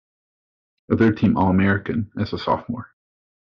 A third-team All-American as a sophomore.